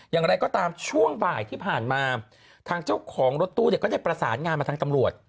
อย่างไรก็ตามช่วงบ่ายที่ผ่านมาทางเจ้าของรถตู้เนี่ยก็ได้ประสานงานมาทางตำรวจ